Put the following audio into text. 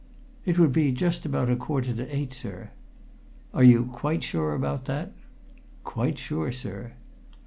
"It would be just about a quarter to eight, sir." "Are you quite sure about that?" "Quite sure, sir!"